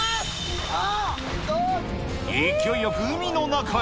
勢いよく海の中へ。